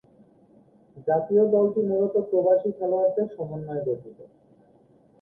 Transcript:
জাতীয় দলটি মূলত প্রবাসী খেলোয়াড়দের সমন্বয়ে গঠিত।